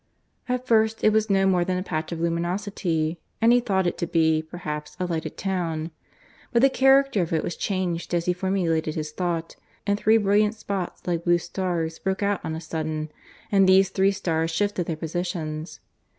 At first it was no more than a patch of luminosity; and he thought it to be, perhaps, a lighted town. But the character of it was changed as he formulated his thought and three brilliant spots like blue stars broke out on a sudden, and these three stars shifted their positions.